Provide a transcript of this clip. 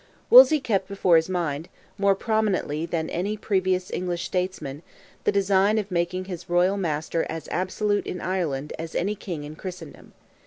Wolsey kept before his mind, more prominently than any previous English statesman, the design of making his royal master as absolute in Ireland as any King in Christendom.